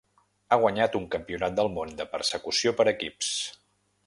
Ha guanyat un Campionat del món de persecució per equips.